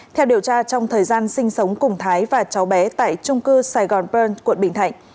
theo điều tra trong thời gian sinh sống cùng thái và cháu bé tại trung cư saigon burn quận bình thạnh